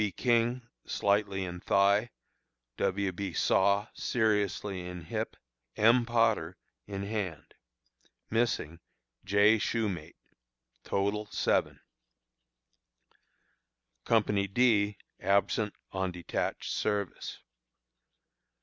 B. King, slightly in thigh; W. B. Saw, seriously in hip; M. Potter, in hand. Missing: J. Shumate. Total, 7. Company D, absent on detached service.